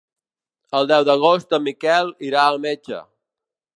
El deu d'agost en Miquel irà al metge.